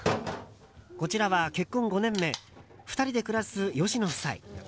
こちらは結婚５年目２人で暮らす吉野夫妻。